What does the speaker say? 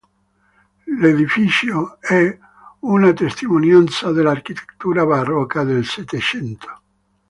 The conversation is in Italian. L'edificio è una testimonianza dell'architettura barocca del Settecento.